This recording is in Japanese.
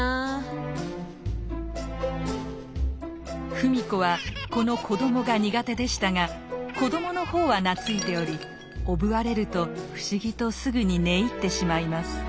芙美子はこの子どもが苦手でしたが子どもの方は懐いておりおぶわれると不思議とすぐに寝入ってしまいます。